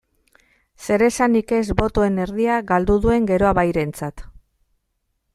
Zeresanik ez botoen erdia galdu duen Geroa Bairentzat.